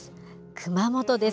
熊本です。